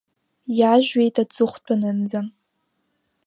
Иажәуеит аҵыхәтәанынӡа.